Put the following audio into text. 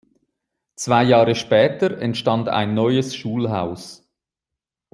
Zwei Jahre später entstand ein neues Schulhaus.